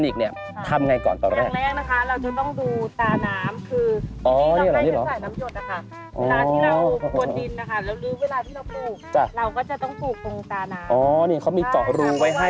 หเขาปวนแบบนี้ปุ๊บแล้วไงต่อฮะ